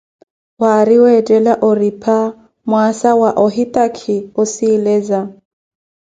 We aari weettela oripha mwaasa wa ohitakhi osileza.